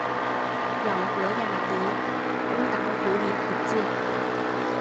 朗格亚离乌达古里很近。